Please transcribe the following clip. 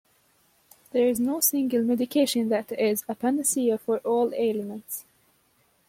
There is no single Medication that is a Panacea for all ailments.